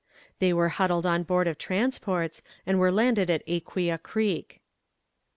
They were huddled on board of transports, and were landed at Aquia Creek.